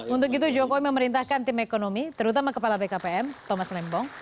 untuk itu jokowi memerintahkan tim ekonomi terutama kepala bkpm thomas lembong